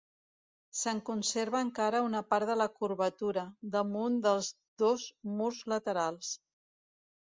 Se'n conserva encara una part de la curvatura, damunt dels dos murs laterals.